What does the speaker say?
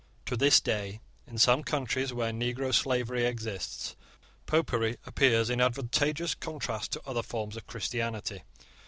To this day, in some countries where negro slavery exists, Popery appears in advantageous contrast to other forms of Christianity.